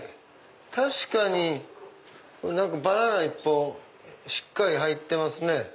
確かにバナナ１本しっかり入ってますね。